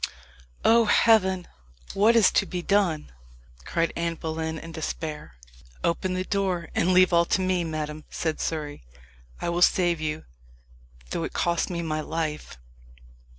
"Oh, heaven! what is to be done?" cried Anne Boleyn, in despair. "Open the door, and leave all to me, madam," said Surrey; "I will save you, though it cost me my life!"